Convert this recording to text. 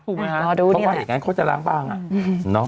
ถูกไหมคะเพราะว่าอย่างนั้นเขาจะล้างปางอ่ะ